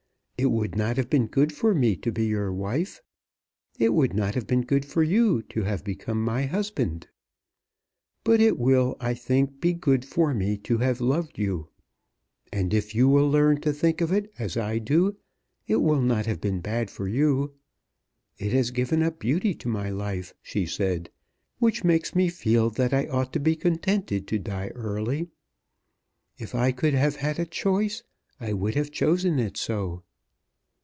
It would not have been good for me to be your wife. It would not have been good for you to have become my husband. But it will I think be good for me to have loved you; and if you will learn to think of it as I do, it will not have been bad for you. It has given a beauty to my life," she said, "which makes me feel that I ought to be contented to die early. If I could have had a choice I would have chosen it so."